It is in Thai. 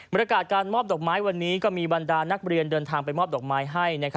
บรรยากาศการมอบดอกไม้วันนี้ก็มีบรรดานักเรียนเดินทางไปมอบดอกไม้ให้